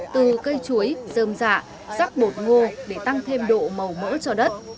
từ cây chuối dơm dạ rắc bột ngô để tăng thêm độ màu mỡ cho đất